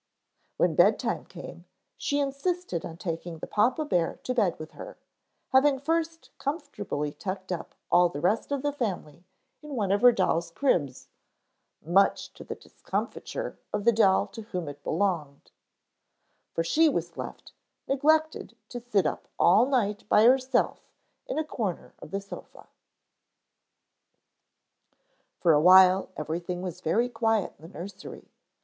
When bedtime came she insisted on taking the papa bear to bed with her, having first comfortably tucked up all the rest of the family in one of her dolls' cribs, much to the discomfiture of the doll to whom it belonged; for she was left neglected to sit up all night by herself in a corner of the sofa. For a while everything was very quiet in the nursery.